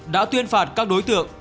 đã tuyên phạt các đối tượng